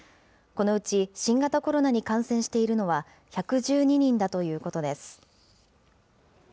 このうち新型コロナに感染しているのは、１１２人だということです。